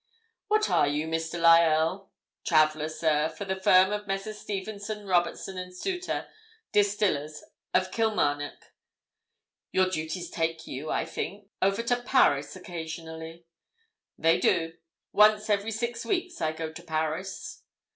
"What are you, Mr. Lyell?" "Traveller, sir, for the firm of Messrs. Stevenson, Robertson & Soutar, distillers, of Kilmarnock." "Your duties take you, I think, over to Paris occasionally?" "They do—once every six weeks I go to Paris."